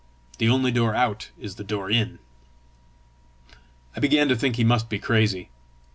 "The only door out is the door in!" I began to think he must be crazy.